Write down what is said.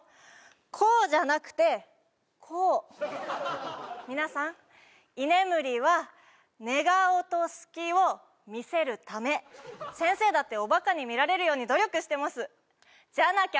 こうじゃなくてこう皆さん居眠りは寝顔と隙を見せるため先生だっておバカに見られるように努力してますじゃなきゃ